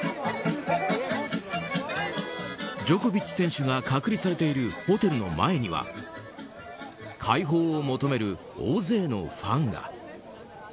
ジョコビッチ選手が隔離されているホテルの前には解放を求める大勢のファンが。